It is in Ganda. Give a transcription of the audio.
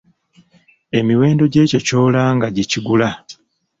Emiwendo gy'ekyo ky'olanga gyekigula.